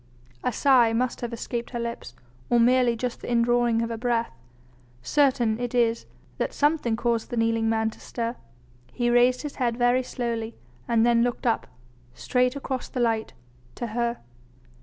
A sigh must have escaped her lips, or merely just the indrawing of her breath; certain it is that something caused the kneeling man to stir. He raised his head very slowly, and then looked up straight across the light to her.